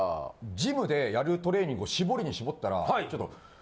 ジムでやるトレーニングを絞りに絞ったらちょっと。